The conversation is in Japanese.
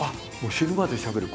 「死ぬまでしゃべる」。